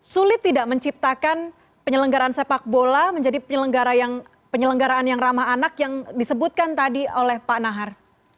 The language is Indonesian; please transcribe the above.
sulit tidak menciptakan penyelenggaran sepak bola menjadi penyelenggaraan yang ramah anak yang disebutkan tadi oleh pak nahar